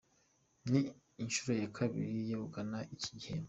ni inshuro ya kabiri yegukana icyi gihembo